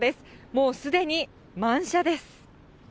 もうすでに満車です。